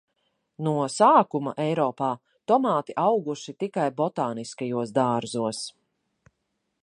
No sākuma Eiropā tomāti auguši tikai botāniskajos dārzos.